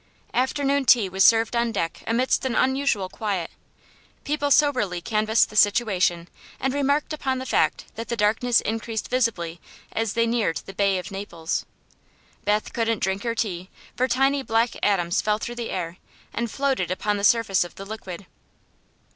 Afternoon tea was served on deck amidst an unusual quiet. People soberly canvassed the situation and remarked upon the fact that the darkness increased visibly as they neared the Bay of Naples. Beth couldn't drink her tea, for tiny black atoms fell through the air and floated upon the surface of the liquid.